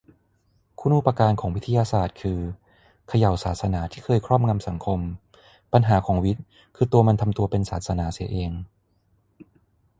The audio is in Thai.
คุณูปการของวิทยาศาสตร์คือ เขย่าศาสนาที่เคยครอบงำสังคม - ปัญหาของวิทย์คือตัวมันทำตัวเป็นศาสนาเสียเอง